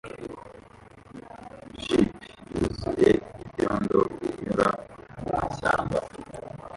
Jeep yuzuye ibyondo inyura mumashyamba